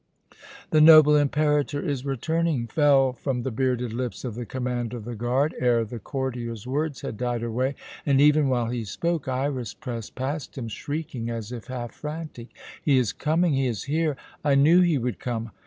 "The noble Imperator is returning!" fell from the bearded lips of the commander of the guard, ere the courtier's words had died away; and even while he spoke Iras pressed past him, shrieking as if half frantic: "He is coming! He is here! I knew he would come!